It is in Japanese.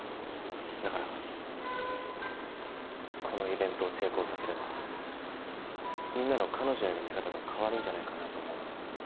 だからこのイベントを成功させればみんなの彼女への見方が変わるんじゃないかなと思うんです。